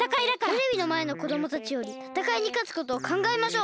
テレビのまえのこどもたちよりたたかいにかつことをかんがえましょう。